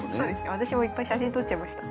私もいっぱい写真撮っちゃいました。